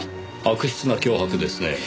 悪質な脅迫ですねぇ。